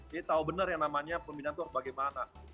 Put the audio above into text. jadi tahu benar yang namanya pembinaan itu bagaimana